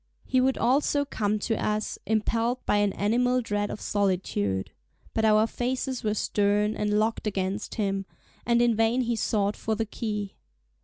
He would also come to us, impelled by an animal dread of solitude. But our faces were stern, and locked against him, and in vain he sought for the key.